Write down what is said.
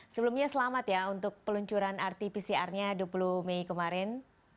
sebelumnya selamat ya untuk peluncuran rt pcr nya dua puluh mei kemarin